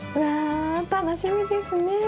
わ楽しみですね。